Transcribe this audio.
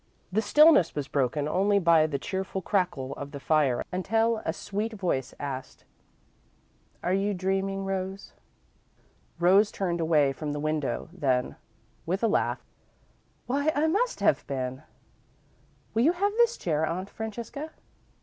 The stillness was broken only by the cheerful crackle of the fire until a sweet voice asked: "Are you dreaming, Rose?" Rose turned away from the window then, with a laugh. "Why, I must have been. Will you have this chair, Aunt Francesca?"